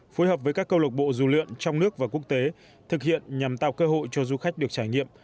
phối hợp với các câu lộc bộ rủ lượn trong nước và quốc tế thực hiện nhằm tạo cơ hội cho du khách được trải nghiệm